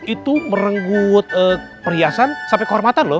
itu merenggut perhiasan sampai kehormatan loh